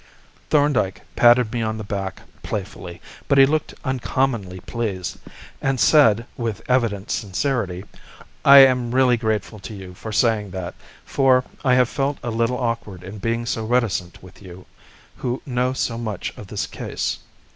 Thorndyke patted me on the back playfully, but he looked uncommonly pleased, and said, with evident sincerity, "I am really grateful to you for saying that, for I have felt a little awkward in being so reticent with you who know so much of this case.